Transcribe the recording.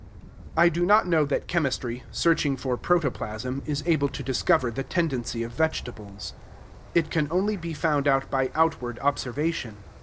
I do not know that chemistry, searching for protoplasm, is able to discover the tendency of vegetables. It can only be found out by outward observation.